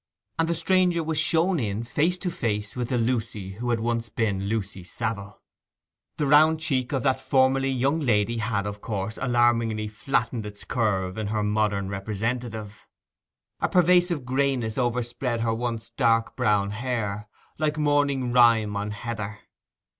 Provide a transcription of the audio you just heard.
And the stranger was shown in face to face with the Lucy who had once been Lucy Savile. The round cheek of that formerly young lady had, of course, alarmingly flattened its curve in her modern representative; a pervasive grayness overspread her once dark brown hair, like morning rime on heather.